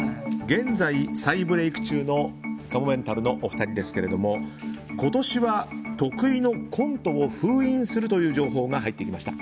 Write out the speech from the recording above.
現在再ブレーク中のかもめんたるのお二人ですけども今年は、得意のコントを封印するという情報が入ってきました。